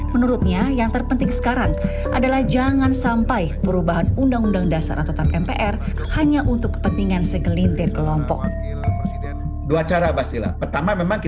menurutnya yang terpenting sekarang adalah jangan sampai perubahan undang undang dasar atau tap mpr hanya untuk kepentingan segelintir kelompok